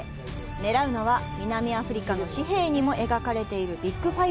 狙うのは南アフリカの紙幣にも描かれているビッグ５！